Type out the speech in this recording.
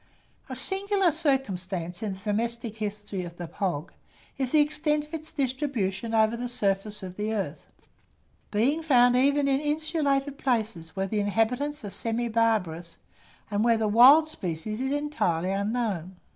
A singular circumstance in the domestic history of the hog, is the extent of its distribution over the surface of the earth; being found even in insulated places, where the inhabitants are semi barbarous, and where the wild species is entirely unknown.